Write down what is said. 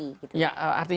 ya artinya polisi aktif